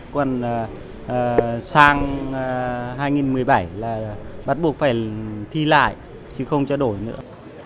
còn sáng hai nghìn một mươi bảy là bắt buộc phải thi lại chứ không cho đổi nữa